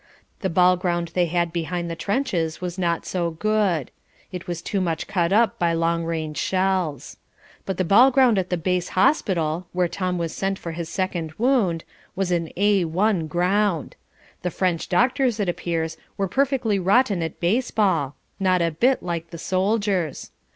The ball ground they had behind the trenches was not so good; it was too much cut up by long range shells. But the ball ground at the base hospital (where Tom was sent for his second wound) was an A1 ground. The French doctors, it appears, were perfectly rotten at baseball, not a bit like the soldiers.